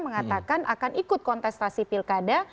mengatakan akan ikut kontestasi pilkada